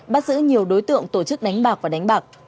bắt giữ nhiều đối tượng tổ chức đánh bạc và đánh bạc